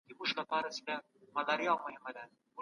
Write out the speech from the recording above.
تاسو باید تل په پخلنځي کې د لاسونو مینځلو لپاره پاک صابون ولرئ.